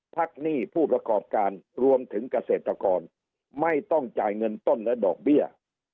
หนี้ผู้ประกอบการรวมถึงเกษตรกรไม่ต้องจ่ายเงินต้นและดอกเบี้ย